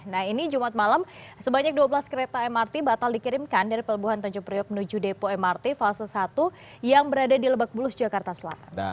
nah ini jumat malam sebanyak dua belas kereta mrt batal dikirimkan dari pelabuhan tanjung priok menuju depo mrt fase satu yang berada di lebak bulus jakarta selatan